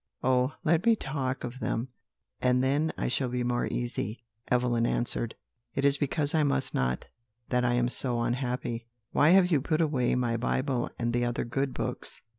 "'Oh, let me talk of them, and then I shall be more easy!' Evelyn answered. 'It is because I must not that I am so unhappy. Why have you put away my Bible and the other good books?'